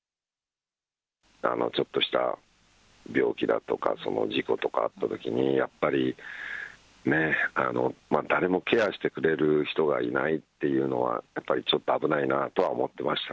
ちょっとした病気だとか、事故とかあったときに、やっぱり、誰もケアしてくれる人がいないっていうのは、やっぱりちょっと危ないなとは思ってました。